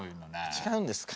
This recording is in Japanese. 違うんですか？